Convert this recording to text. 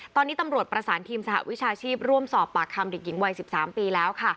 ตอนนี้ตำรวจประสานทีมสหวิชาชีพร่วมสอบปากคำเด็กหญิงวัย๑๓ปีแล้วค่ะ